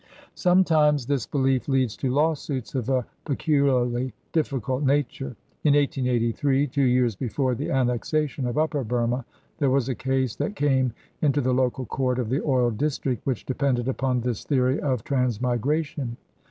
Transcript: Sometimes this belief leads to lawsuits of a peculiarly difficult nature. In 1883, two years before the annexation of Upper Burma, there was a case that came into the local Court of the oil district, which depended upon this theory of transmigration.